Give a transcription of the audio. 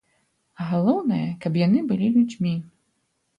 Галоўнае, каб яны былі людзьмі.